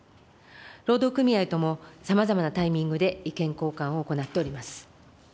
労働組合とも、さまざまなタイミングで意見交換を行っております。